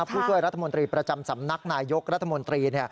ผู้ช่วยรัฐมนตรีประจำสำนักนายยกรัฐมนตรี